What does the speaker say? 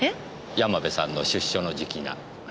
山部さんの出所の時期が。